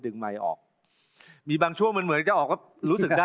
แต่อย่าเสียดายเวลา